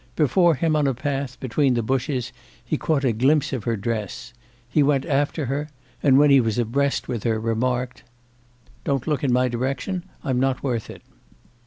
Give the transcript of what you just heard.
Before him on a path between the bushes he caught a glimpse of her dress. He went after her, and when he was abreast with her, remarked: 'Don't look in my direction, I'm not worth it.